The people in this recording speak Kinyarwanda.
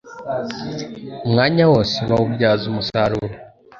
Umwanya wose bawubyaza umusaruro